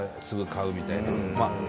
すぐ買うみたいな。